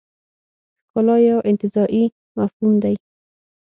ښکلا یو انتزاعي مفهوم دی.